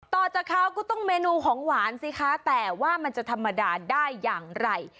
ต่อจากเขาก็ต้องเมนูของหวานสิคะแต่ว่ามันจะธรรมดาได้อย่างไร